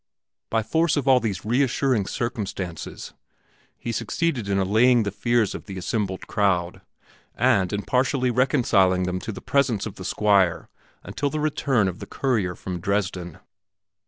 By force of all these reassuring circumstances he succeeded in allaying the fears of the assembled crowd and in partially reconciling them to the presence of the Squire until the return of the courier from Dresden.